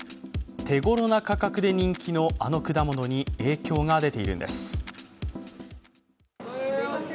手ごろな価格で人気のあの果物に影響が出ているんです。